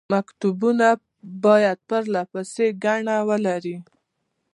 مکتوبونه باید پرله پسې ګڼه ولري.